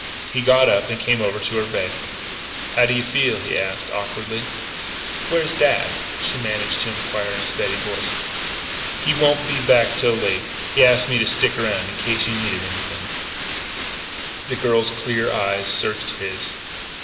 He got up and came over to the bed. "How do you feel?" he asked, awkwardly. "Where is dad?" she managed to inquire in a steady voice. "He won't be back till late. He asked me to stick around in case you needed anything " The girl's clear eyes searched his.